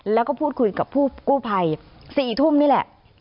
แล้วก็พูดคุยกับกู้ภัย๔ทุ่มนี่แหละ